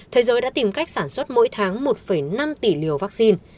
thế giới đã tìm cách sản xuất mỗi tháng một năm tỷ liều vaccine